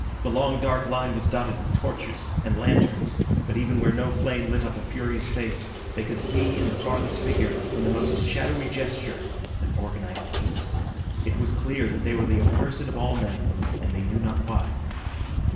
The long dark line was dotted with torches and lanterns; but even where no flame lit up a furious face, they could see in the farthest figure, in the most shadowy gesture, an organised hate. It was clear that they were the accursed of all men, and they knew not why.